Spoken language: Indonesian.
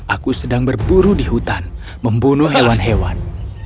aku sedang berburu di hutan membunuh hewan hewan